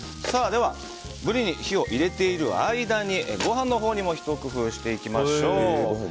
ブリに火を入れている間にご飯のほうにもひと工夫していきましょう。